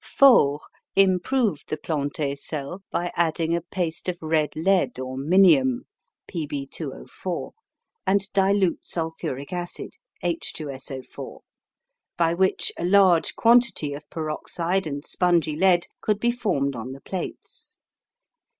Faure improved the Plante cell by adding a paste of red lead or minium (Pb204) and dilute sulphuric acid (H2SO4), by which a large quantity of peroxide and spongy lead could be formed on the plates.